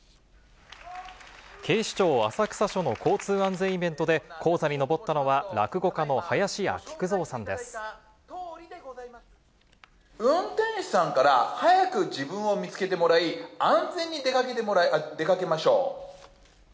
警視庁浅草署の交通安全イベントで、高座に上ったのは、運転手さんから早く自分を見つけてもらい、安全に出かけましょう！